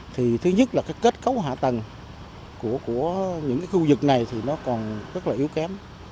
thì thứ nhất là cái kết cấu hạ tầng của những cái khu vực này thì nó còn rất là yếu kém